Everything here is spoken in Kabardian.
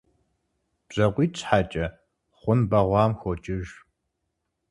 БжьакъуитӀ щхьэкӀэ хъун бэгъуам хокӀыж.